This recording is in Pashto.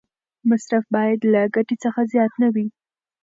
مصرف باید له ګټې څخه زیات نه وي.